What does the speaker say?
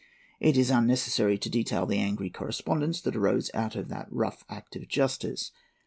It is unnecessary to detail the angry correspondence that arose out of that rough act of justice.